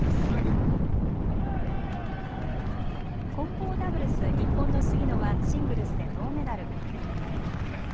混合ダブルス、日本の杉野はシングルスで銅メダル。